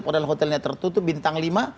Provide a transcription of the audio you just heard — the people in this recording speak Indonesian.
padahal hotelnya tertutup bintang lima